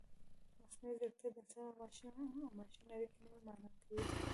مصنوعي ځیرکتیا د انسان او ماشین اړیکه نوې مانا کوي.